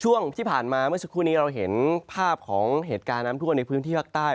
ช่วงที่ผ่านมาเมื่อสักครู่นี้เราเห็นภาพของเหตุการณ์น้ำท่วมในพื้นที่ภาคใต้